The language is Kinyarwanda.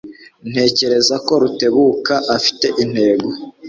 Ntekereza ko Rutebuka afite intego